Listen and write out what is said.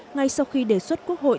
ngay sau khi đề xuất quốc hội